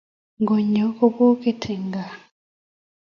konyo kubokit eng' gaa